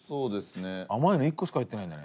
甘いの１個しか入ってないんだね。